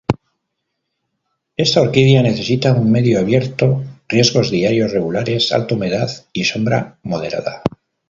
Esta orquídea necesita un medio abierto, riegos diarios regulares, alta humedad y sombra moderada.